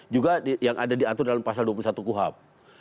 juga yang ada diatur dalam pasal dua puluh satu kuhap